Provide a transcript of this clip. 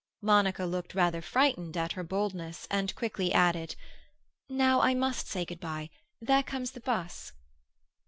Monica looked rather frightened at her boldness, and quickly added— "Now I must say good bye. There comes the bus."